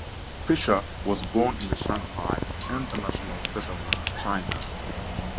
Fischer was born in the Shanghai International Settlement, China.